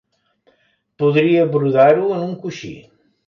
Podria brodar-ho en un coixí.